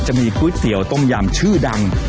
จะมีก๋วยเตี๋ยวต้มยำชื่อดัง